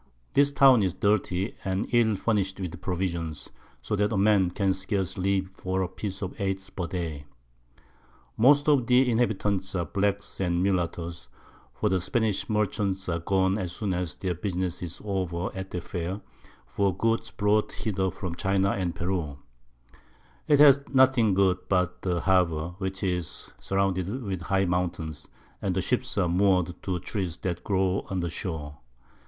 This Town is dirty, and ill furnish'd with Provisions, so that a Man can scarce live for a Piece of Eight per Day. Most of the Inhabitants are Blacks and Mullattoes, for the Spanish Merchants are gone as soon as their Business is over at the Fair, for Goods brought hither from China and Peru. It has nothing good but the Harbour, which is surrounded with High Mountains, and the Ships are moar'd to Trees that grow on the Shore.